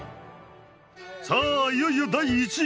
さあいよいよ第１位！